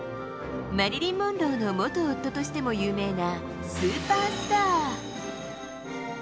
マリリン・モンローの元夫としても有名なスーパースター。